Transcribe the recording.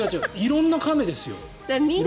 色んな亀ですよ。